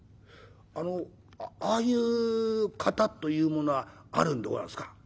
「あのああいう型というものはあるんでござんすか？」。